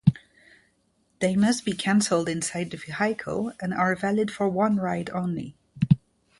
They must be canceled inside the vehicle and are valid for one ride only.